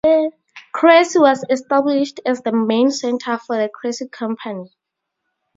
Cressy was established as the main centre for the Cressy Company.